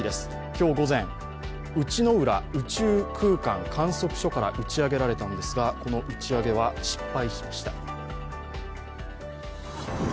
今日午前、内之浦宇宙空間観測所から打ち上げられたんですが、この打ち上げは失敗しました。